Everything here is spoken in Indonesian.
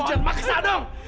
lu jangan maksa dong